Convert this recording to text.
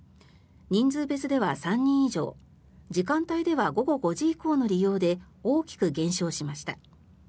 人数別では３人以上時間帯では午後５時以降の利用で大きく減少しました。